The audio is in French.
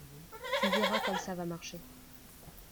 Tu verras comme ça va marcher.